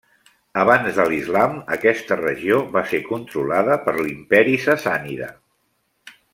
Abans de l'Islam aquesta regió va ser controlada per l'Imperi Sassànida.